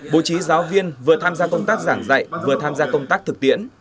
bố trí giáo viên vừa tham gia công tác giảng dạy vừa tham gia công tác thực tiễn